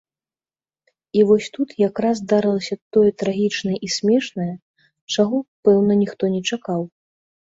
І вось тут якраз здарылася тое трагічнае і смешнае, чаго, пэўна, ніхто не чакаў.